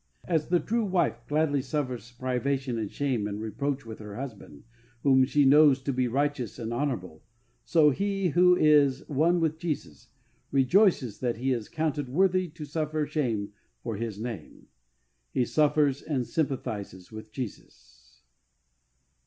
As the true wife gladly suffers privation and shame and reproach with her husband whom she knows to be righteous and honourable, so he who is one with Jesus "rejoices that he is counted worthy to suffer shame for His name." He suffers and sympathises with Jesus.